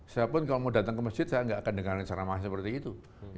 saya pun kalau mau datang ke masjid saya nggak akan dengarkan ceramah seperti itu